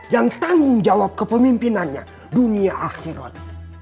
yang tanggung jawab kepemimpinannya dunia akhirat